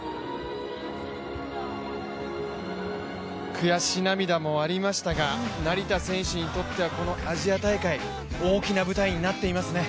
悔し涙もありましたが、成田選手にとってはこのアジア大会、大きな舞台になっていますね。